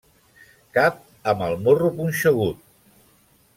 Cap amb el morro punxegut.